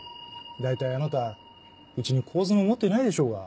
大体あなたうちに口座も持ってないでしょうが。